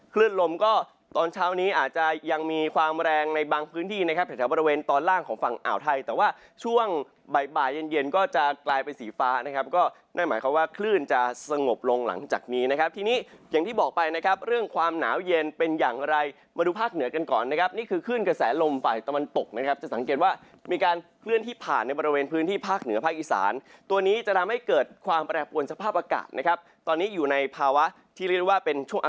คลื่นลมก็ตอนเช้านี้อาจจะยังมีความแรงในบางพื้นที่นะครับแถวบริเวณตอนล่างของฝั่งอ่าวไทยแต่ว่าช่วงบ่ายเย็นก็จะกลายเป็นสีฟ้านะครับก็นั่นหมายความว่าคลื่นจะสงบลงหลังจากนี้นะครับทีนี้อย่างที่บอกไปนะครับเรื่องความหนาวเย็นเป็นอย่างไรมาดูภาคเหนือกันก่อนนะครับนี่คือคลื่นกระแสลมไปตะวันต